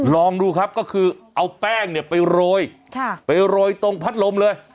ลองดูครับก็คือเอาแป้งเนี่ยไปโรยไปโรยตรงพัดลมเลย